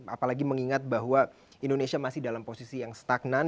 apalagi mengingat bahwa indonesia masih dalam posisi yang stagnan